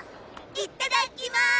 いっただきまーす！